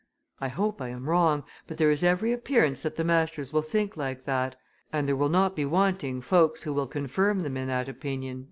I hope I am wrong, but there is every appearance that the masters will think like that, and there will not be wanting folks who will confirm them in that opinion."